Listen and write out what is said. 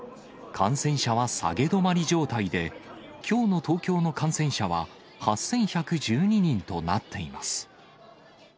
感染者は下げ止まり状態で、きょうの東京の感染者は８１１２人となっています。